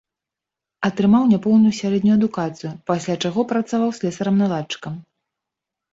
Атрымаў няпоўную сярэднюю адукацыю, пасля чаго працаваў слесарам-наладчыкам.